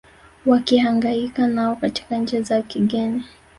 wakihangaika nao katika nchi za kigeni